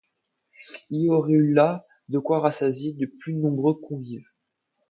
Il y aurait eu là de quoi rassasier de plus nombreux convives.